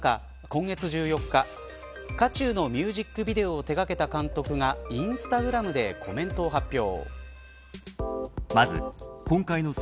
今月１４日渦中のミュージックビデオを手がけた監督がインスタグラムでコメントを発表。